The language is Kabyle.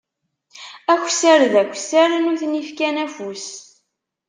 Aksar d aksar, nutni fkan afus.